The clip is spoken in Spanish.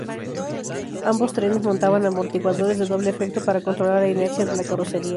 Ambos trenes montaban amortiguadores de doble efecto para controlar la inercia de la carrocería.